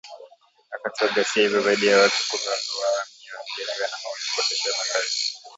Wakati wa ghasia hizo zaidi ya watu kumi waliuawa mamia walijeruhiwa na maelfu kukoseshwa makazi